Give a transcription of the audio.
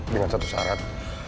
dengan satu syarat